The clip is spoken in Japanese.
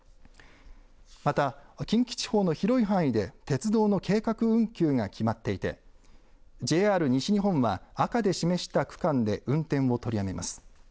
また近畿地方の広い範囲で鉄道の計画運休が決まっていてＪＲ西日本は赤で示した区間で運転を取りやめます。